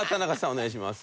お願いします。